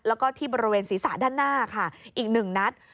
แล้วก็ที่บริเวณศีรษะด้านหน้าค่ะอีกหนึ่งนัด